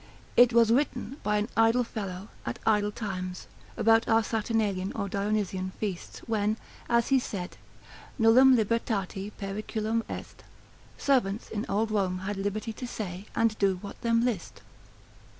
It was written by an idle fellow, at idle times, about our Saturnalian or Dionysian feasts, when as he said, nullum libertati periculum est, servants in old Rome had liberty to say and do what them list.